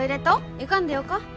行かんでよか？